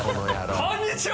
こんにちは！